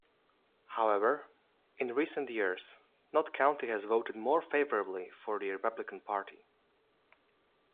However, in recent years, Knott County has voted more favorably for the Republican Party.